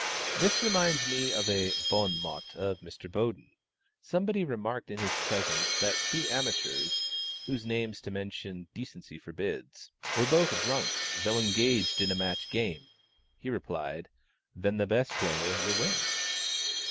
This reminds me of a bon mot of Mr. Boden. Somebody remarked in his presence that two amateurs (whose names to mention "decency forbids") were both drunk, though engaged in a match game: he replied "Then the best player will win."